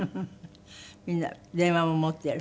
みんな電話も持ってる。